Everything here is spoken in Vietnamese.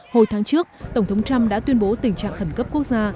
hồi tháng trước tổng thống trump đã tuyên bố tình trạng khẩn cấp quốc gia